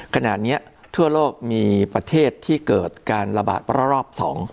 ขณะนี้ทั่วโลกมีประเทศที่เกิดการระบาดระลอก๒